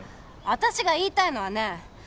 私が言いたいのはね